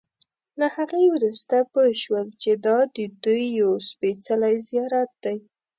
له هغې وروسته پوی شول چې دا ددوی یو سپېڅلی زیارت دی.